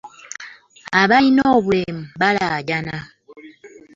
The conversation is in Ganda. Abalina obulemu balaajana.